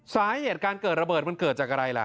สาเหตุการเกิดระเบิดมันเกิดจากอะไรล่ะ